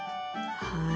はい。